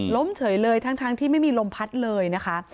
เฉยเลยทั้งที่ไม่มีลมพัดเลยนะคะ